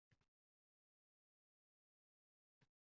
Uning yelkalarini yana siladi.